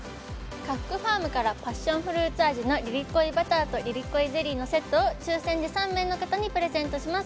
カフクファームからパッションフルーツ味のリリコイバターとリリコイゼリーのセットを抽選で３名の方にプレゼントします